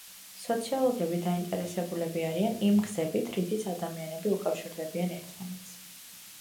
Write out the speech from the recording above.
სოციოლოგები დაინტერესებულები არიან იმ გზებით, რითიც ადამიანები უკავშირდებიან ერთმანეთს.